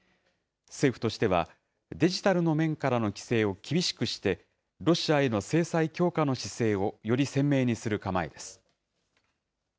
政府としては、デジタルの面からの規制を厳しくして、ロシアへの制裁強化の姿勢をより鮮明にする構えです。